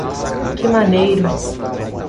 Que maneiro!